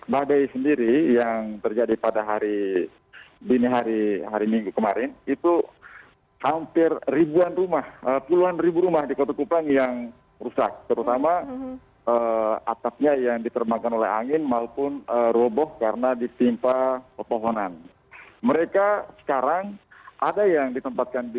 masih belum terangkat